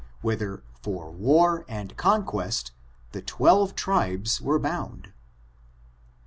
141 whither for war and conquest the twelve tribes were bound.